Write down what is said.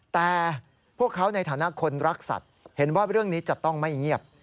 แต่พวกเขาในฐานะคนรักสัตว์เห็นว่าเรื่องนี้จะต้องไม่เงียบ